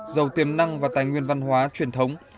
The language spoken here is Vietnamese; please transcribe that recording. giàu tiềm năng và tài nguyên văn hóa truyền thống